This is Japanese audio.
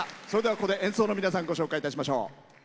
それでは、ここで演奏の皆さんご紹介しましょう。